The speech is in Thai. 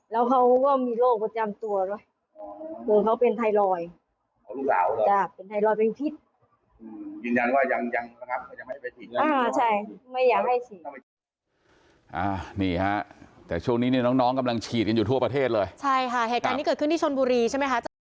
ลูกเขาเป็นไทรอยด์เป็นไทรอยด์เป็นพิษยืนยันว่ายังไม่ให้ไปฉีดใช่ไม่อยากให้ฉีดนี่ครับแต่ช่วงนี้น้องกำลังฉีดอยู่ทั่วประเทศเลยใช่ค่ะแห่งการที่เกิดขึ้นที่ชนบุรีใช่ไหมคะ